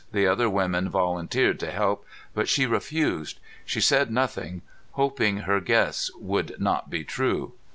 The other women volunteered to help, but she refused. She said nothing, hoping her guess would not be true.